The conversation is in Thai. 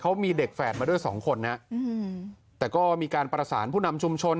เขามีเด็กแฝดมาด้วยสองคนฮะอืมแต่ก็มีการประสานผู้นำชุมชน